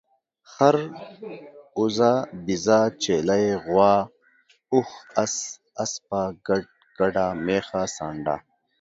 خر، اوزه، بيزه ، چيلۍ ، غوا، اوښ، اس، اسپه، ګډ، ګډه، ميښه، سانډه